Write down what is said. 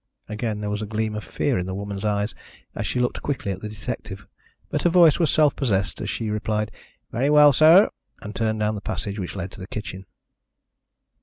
Again there was a gleam of fear in the woman's eyes as she looked quickly at the detective, but her voice was self possessed as she replied: "Very well, sir," and turned down the passage which led to the kitchen.